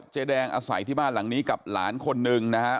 เจ๊แดงอาศัยที่บ้านหลังนี้กับหลานคนหนึ่งนะฮะ